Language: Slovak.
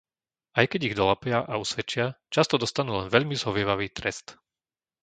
Aj keď ich dolapia a usvedčia, často dostanú len veľmi zhovievavý trest.